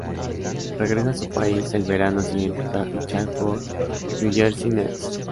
Regresa a su país el verano siguiente, para fichar por New Jersey Nets.